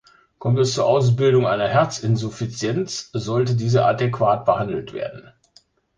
Kommt es zur Ausbildung einer Herzinsuffizienz, sollte diese adäquat behandelt werden.